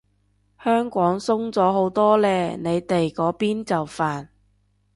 香港鬆咗好多嘞，你哋嗰邊就煩